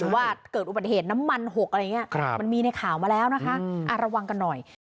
ว่าเกิดอุบัติเหตุน้ำมันหกอะไรอย่างนี้มันมีในข่าวมาแล้วนะคะระวังกันหน่อย